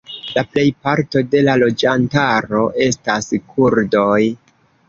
La plejparto de la loĝantaro estas kurdoj.